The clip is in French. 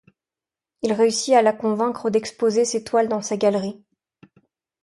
Il réussit à la convaincre d'exposer ses toiles dans sa galerie.